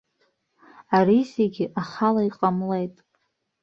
Ари зегьы ахала иҟамлеит.